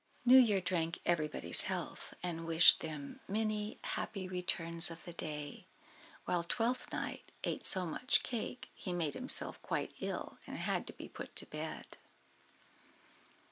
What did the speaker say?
New Year drank everybody's health, and wished them "many happy returns of the day," while Twelfth Night ate so much cake he made himself quite ill, and had to be put to bed.